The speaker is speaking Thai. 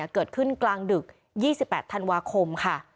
เกิดขึ้นกลางดึก๒๘ธันวาคมค่ะ